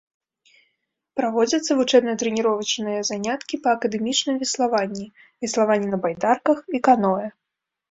Праводзяцца вучэбна-трэніровачныя заняткі па акадэмічным веславанні, веславанні на байдарках і каноэ.